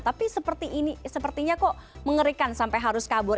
tapi sepertinya kok mengerikan sampai harus kabur